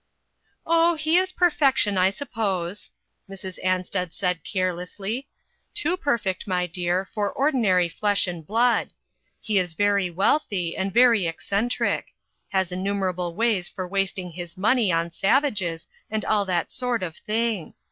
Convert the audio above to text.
" Oh, he is perfection, I suppose," Mrs. Ansted said carelessly; "too perfect, my dear, for ordinary flesh and blood. He is very wealthy and very eccentric ; has innum erable ways for wasting his money on sav ages, and all that sort of thing.